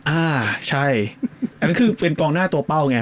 อ่าใช่อันนั้นคือเป็นกองหน้าตัวเป้าไง